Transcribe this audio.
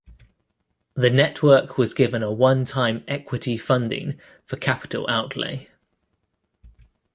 The Network was given a one-time equity funding for capital outlay.